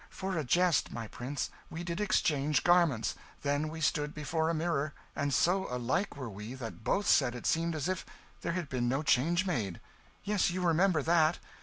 "For a jest, my prince, we did exchange garments. Then we stood before a mirror; and so alike were we that both said it seemed as if there had been no change made yes, you remember that.